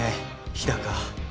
日高